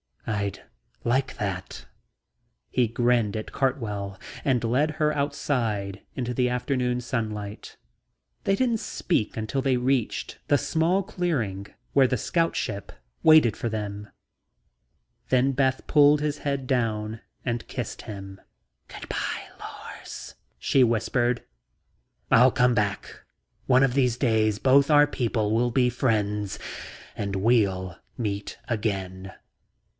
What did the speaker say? "I'd like that." He grinned at Cartwell and led her outside into the afternoon sunlight. They didn't speak until they reached the small clearing where the scout ship waited for them. Then Beth pulled his head down and kissed him. "Good by, Lors," she whispered. "I'll come back, Beth, I'll come back. One of these days both our people will be friends and we'll meet again."